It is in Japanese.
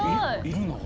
いるの？